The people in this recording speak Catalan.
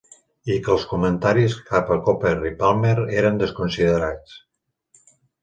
i que els comentaris cap a Cooper i Palmer eren desconsiderats.